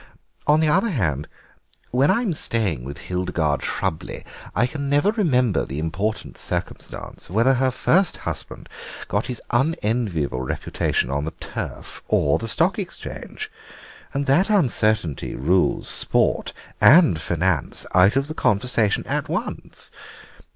On the other hand, when I'm staying with Hildegarde Shrubley I can never remember the important circumstance whether her first husband got his unenviable reputation on the Turf or the Stock Exchange, and that uncertainty rules Sport and Finance out of the conversation at once.